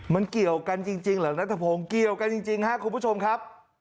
มันเกี่ยวกันจริงเหรอนัทพงศ์เกี่ยวกันจริงครับคุณผู้ชมครับ